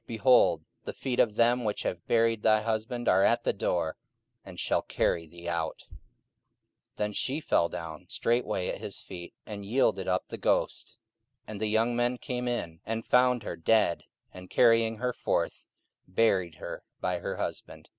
behold, the feet of them which have buried thy husband are at the door, and shall carry thee out. 44:005:010 Then fell she down straightway at his feet, and yielded up the ghost: and the young men came in, and found her dead, and, carrying her forth, buried her by her husband.